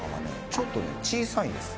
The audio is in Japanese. ちょっとね小さいんです。